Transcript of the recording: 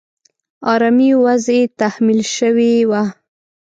آرامي وضعې تحمیل شوې وه.